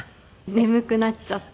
『眠くなっちゃった』。